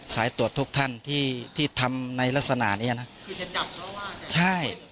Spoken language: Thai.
สายตรวจทุกท่านที่ทำในลักษณะนี้นะ